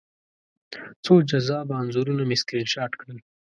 څو جذابه انځورونه مې سکرین شاټ کړل